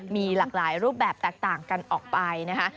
มีหลากหลายรูปแบบแตกต่างกันออกไปนะคะ